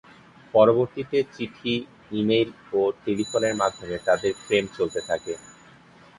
পরবর্তীতে চিঠি, ই-মেইল ও টেলিফোনের মাধ্যমে তাদের প্রেম চলতে থাকে।